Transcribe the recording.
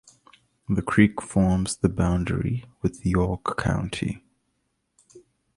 The creek forms the boundary with York County.